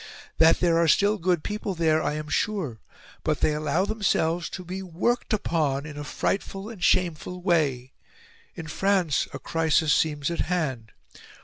That there are still good people there I am sure, but they allow themselves to be worked upon in a frightful and shameful way. In France a crisis seems at hand.